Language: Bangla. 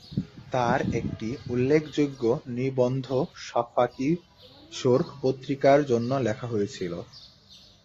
তার একটি উল্লেখযোগ্য নিবন্ধ শাফাক-ই-সোর্খ পত্রিকার জন্য লেখা হয়েছিল।